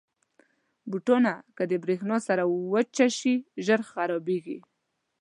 بوټونه که د برېښنا سره وچه شي، ژر خرابېږي.